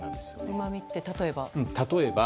うまみって例えば？